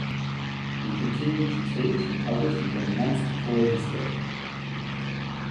He continued to teach and publish until months before his death.